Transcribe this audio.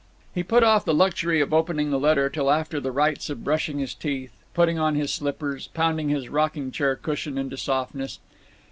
He put off the luxury of opening the letter till after the rites of brushing his teeth, putting on his slippers, pounding his rocking chair cushion into softness.